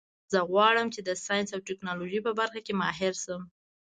زه غواړم چې د ساینس او ټکنالوژۍ په برخه کې ماهر شم